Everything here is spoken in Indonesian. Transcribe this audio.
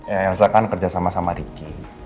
elsa kan kerja sama sama ricky